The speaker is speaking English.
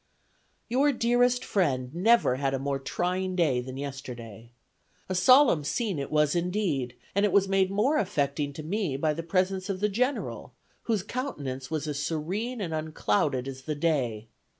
"Your dearest friend never had a more trying day than yesterday. A solemn scene it was indeed, and it was made more affecting to me by the presence of the General, whose countenance was as serene and unclouded as the day.